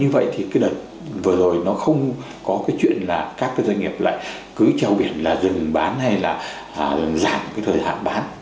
vừa rồi nó không có cái chuyện là các cái doanh nghiệp lại cứ trao biển là dừng bán hay là giảm cái thời hạn bán